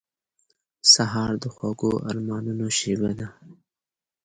سهار د خوږو ارمانونو شېبه ده.